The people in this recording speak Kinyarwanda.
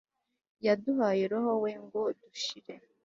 yaduhaye roho we ngo dushire